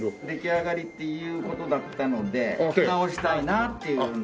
出来上がりっていう事だったので直したいなっていう。